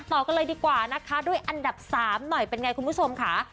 ต่อกันเลยดีกว่านะคะด้วยอันดับ๓หน่อยเป็นไงคุณผู้ชมค่ะ